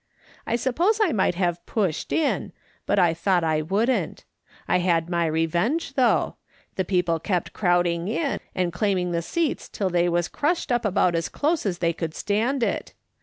I suppose I might have pushed in, but I thought I wouldn't. I had my revenge, though : the people kept crowding in, and claiming the seats until they was crushed up about as close as they could stand it.